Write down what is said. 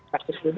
hasil riset yang